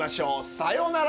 さようなら。